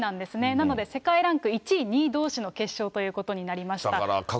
なので世界ランク１位、２位どうしの決勝ということになりました。